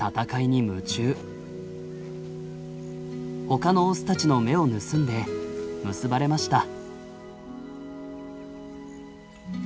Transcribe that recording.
ほかのオスたちの目を盗んで結ばれました。